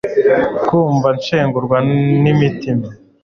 Nkumva nshengurwa nintimba